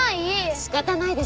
仕方ないでしょ。